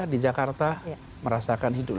di jakarta merasakan hidup